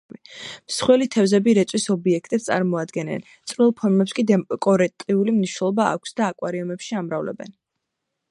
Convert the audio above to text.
მსხვილი თევზები რეწვის ობიექტებს წარმოადგენენ, წვრილ ფორმებს კი დეკორატიული მნიშვნელობა აქვს და აკვარიუმებში ამრავლებენ.